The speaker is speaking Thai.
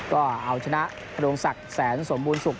ก็เอาชนะนโรงศักดิ์แสนสมบูรณสุข